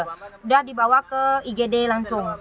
sudah dibawa ke igd langsung